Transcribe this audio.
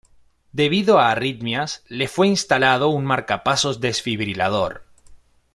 Debido a arritmias, le fue instalado un marcapasos desfibrilador.